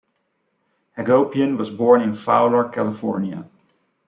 Hagopian was born in Fowler, California.